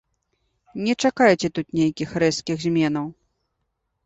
Не чакайце тут нейкіх рэзкіх зменаў.